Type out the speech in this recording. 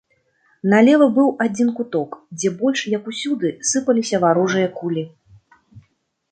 Налева быў адзін куток, дзе больш, як усюды, сыпаліся варожыя кулі.